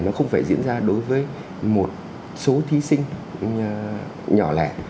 nó không phải diễn ra đối với một số thí sinh nhỏ lẻ